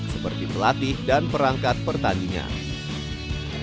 seperti pelatih dan perangkat pertandingan